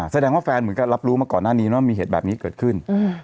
แสดงว่าแฟนเหมือนกับรับรู้มาก่อนหน้านี้ว่ามีเหตุแบบนี้เกิดขึ้น